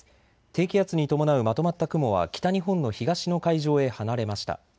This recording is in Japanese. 低気圧に伴うまとまった雲は北日本の東の海上へ離れました。